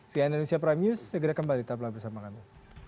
sian indonesia prime news segera kembali tetap bersama kami